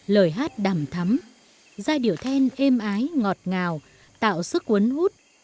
lời hát đàm thắm giai điệu then êm ái ngọt ngào tạo sức quấn hút